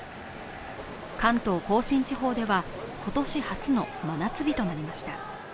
関東甲信地方では今年初の真夏日となりました。